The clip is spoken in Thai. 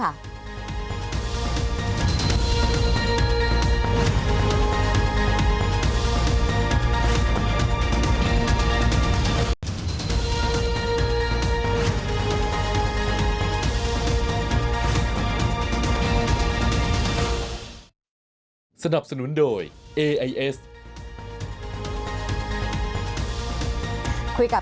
ภารกิจสรรค์ภารกิจสรรค์